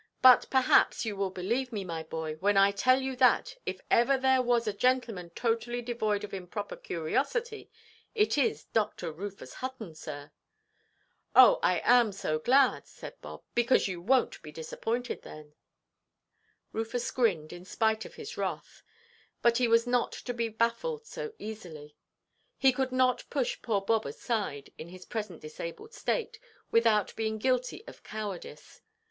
But, perhaps, you will believe me, my boy, when I tell you that, if ever there was a gentleman totally devoid of improper curiosity, it is Dr. Rufus Hutton, sir." "Oh, I am so glad," said Bob; "because you wonʼt be disappointed, then." Rufus grinned, in spite of his wrath; but he was not to be baffled so easily. He could not push poor Bob aside, in his present disabled state, without being guilty of cowardice.